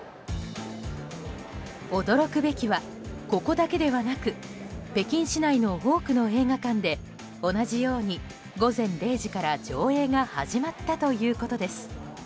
驚くべきは、ここだけではなく北京市内の多くの映画館で同じように午前０時から上映が始まったということです。